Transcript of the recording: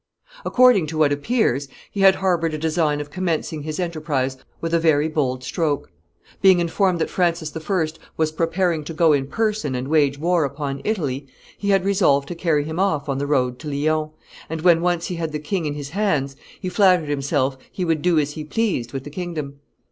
According to what appears, he had harbored a design of commencing his enterprise with a very bold stroke. Being informed that Francis I. was preparing to go in person and wage war upon Italy, he had resolved to carry him off on the road to Lyons, and, when once he had the king in his hands, he flattered himself he would do as he pleased with the kingdom.